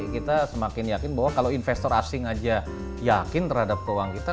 kita semakin yakin bahwa kalau investor asing aja yakin terhadap peluang kita